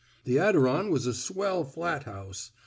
The Adiron was a swell flat house.